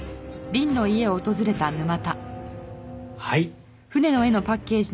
はい。